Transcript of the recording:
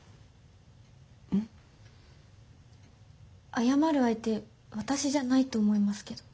謝る相手私じゃないと思いますけど。